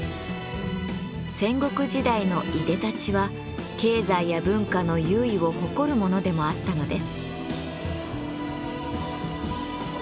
戦国時代のいでたちは経済や文化の優位を誇るものでもあったのです。